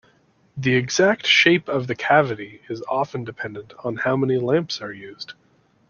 The exact shape of the cavity is often dependent on how many lamps are used.